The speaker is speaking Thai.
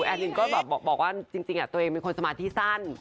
แอนรินก็แบบบอกว่าจริงตัวเองเป็นคนสมาธิสั้น